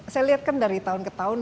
saya lihat kan dari tahun ke tahun